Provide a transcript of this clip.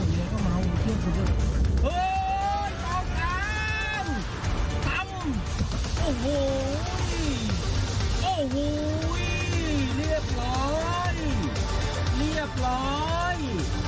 เฮ้ยต่อกลางตั้งโอ้โห้ยโอ้โห้ยเรียบร้อยเรียบร้อย